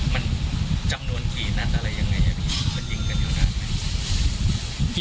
มันจำนวนกี่นัดอะไรยังไงพี่มันยิงกันอยู่นานไหม